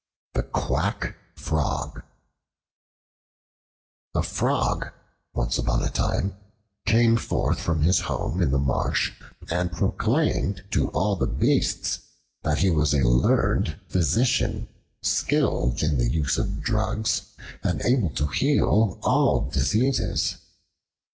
The Quack Frog A FROG once upon a time came forth from his home in the marsh and proclaimed to all the beasts that he was a learned physician, skilled in the use of drugs and able to heal all diseases.